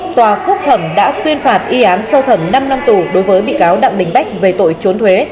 tòa phúc thẩm đã tuyên phạt y án sơ thẩm năm năm tù đối với bị cáo đặng đình bách về tội trốn thuế